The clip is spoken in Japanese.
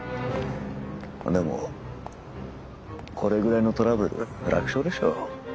でもこれぐらいのトラブル楽勝でしょう。